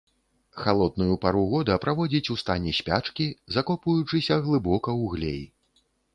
Халодную пару года праводзіць у стане спячкі, закопваючыся глыбока ў глей.